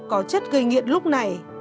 có chất gây nghiện lúc này